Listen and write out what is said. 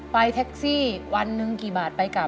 แท็กซี่วันหนึ่งกี่บาทไปกลับ